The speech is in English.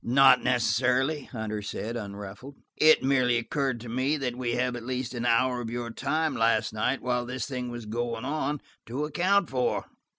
"Not necessarily," Hunter said, unruffled. "It merely occurred to me that we have at least an hour of your time last night, while this thing was going on, to account for.